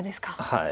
はい。